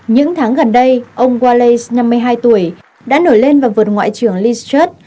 những tháng gần đây ông wallace năm mươi hai tuổi đã nổi lên vào vượt ngoại trưởng liz truss